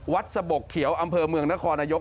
สะบกเขียวอำเภอเมืองนครนายก